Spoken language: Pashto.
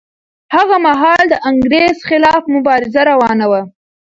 هغه مهال د انګریزۍ خلاف مبارزه روانه وه.